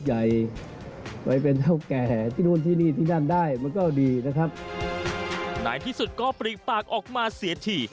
ที่สุดก็ปรีปากออกมาเสียที